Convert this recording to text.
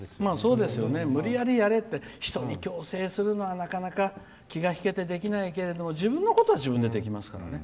無理やりやれって人に強制するのは、なかなか気が引けてできないけれども自分のことは自分でできますからね。